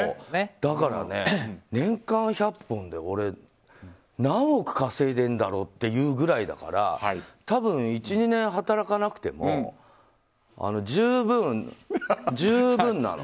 だから、年間１００本で何億稼いでいるんだろうというぐらいだから多分、１２年働かなくても十分なの。